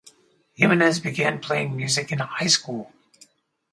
Jimenez began playing music in high school.